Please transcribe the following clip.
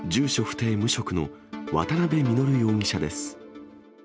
不定無職の渡部稔容疑者です。